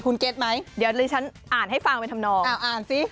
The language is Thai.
คุณเก็ตไหมเดี๋ยวดิฉันอ่านให้ฟังไปทำนองอ่านสิ